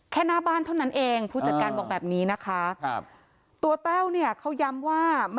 แค่หน้าบ้านเท่านั้นเองผู้จัดการบอกแบบนี้นะคะ